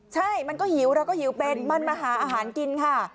ใช่มันก็หิวเราก็หิวเป็นมันมาหาอาหารกินค่ะ